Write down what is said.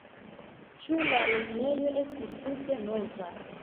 Ĉu la lernejo estis tute nova?